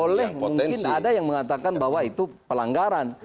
boleh mungkin ada yang mengatakan bahwa itu pelanggaran